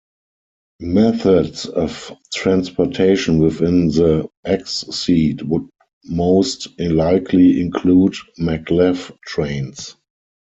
Methods of transportation within the X-seed would most likely include MagLev trains.